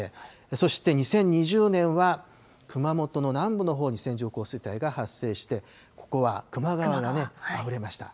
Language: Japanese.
そして２０２０年は、熊本の南部のほうに線状降水帯が発生して、ここは球磨川がね、溢れました。